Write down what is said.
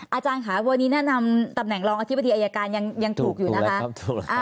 อาจารย์ค่ะวันนี้แนะนำตำแหน่งรองอธิบดีอายการยังถูกอยู่นะคะ